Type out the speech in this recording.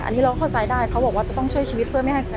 อันนี้เราเข้าใจได้เขาบอกว่าจะต้องช่วยชีวิตเพื่อไม่ให้